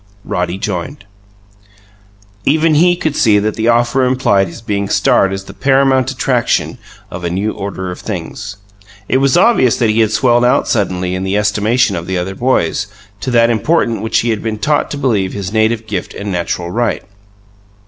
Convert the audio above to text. Roddy joined. Even he could see that the offer implied his being starred as the paramount attraction of a new order of things. It was obvious that he had swelled out suddenly, in the estimation of the other boys, to that importance which he had been taught to believe his native gift and natural right.